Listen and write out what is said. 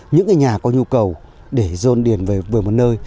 những nhà có nhu cầu để dồn điền về một nơi